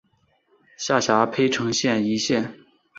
下辖涪城县一县。